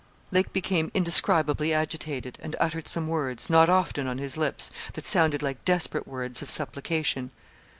Lake became indescribably agitated, and uttered some words, not often on his lips, that sounded like desperate words of supplication.